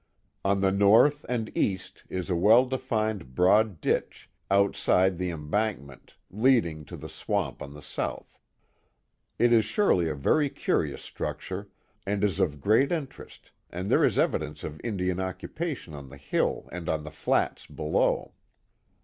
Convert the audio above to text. On the north and east is a well defined broad ditch, outside the embankment, leading to the swamp on the south. It is surely a very curious structure, and is of great interest, as there is evidence of Indian occupation on the hill and on the flats below.